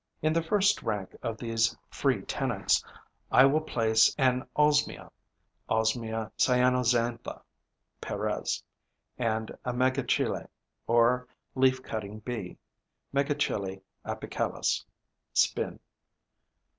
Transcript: In the first rank of these free tenants, I will place an Osmia (Osmia cyanoxantha, PEREZ) and a Megachile, or Leaf cutting Bee (Megachile apicalis, SPIN.)